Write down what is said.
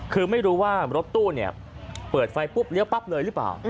คือไม่รู้ว่ารถตู้เปิดไฟปุ๊บเลี้ยวปั๊บเลยหรือเปล่า